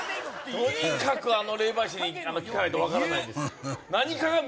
とにかくあの霊媒師に聞かないと分からないんです